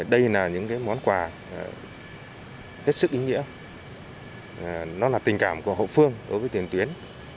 đây là những món quà hết sức ý nghĩa nó là tình cảm của hậu phương đối với tiền tuyến